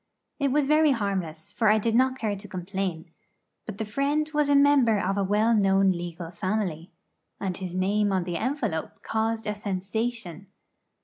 It was very harmless, for I did not care to complain; but the friend was a member of a well known legal family, and his name on the envelope caused a sensation.